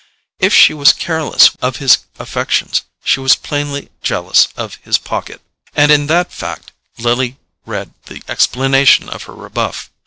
If she was careless of his affections she was plainly jealous of his pocket; and in that fact Lily read the explanation of her rebuff.